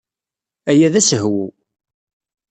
Aya d asehwu.